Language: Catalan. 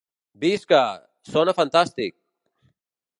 Visca! Sona fantàstic!